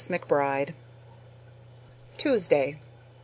McBRIDE. Tuesday.